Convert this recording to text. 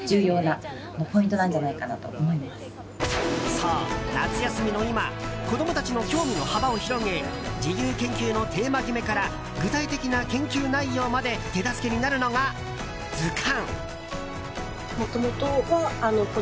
そう、夏休みの今子供たちの興味の幅を広げ自由研究のテーマ決めから具体的な研究内容まで手助けになるのが、図鑑！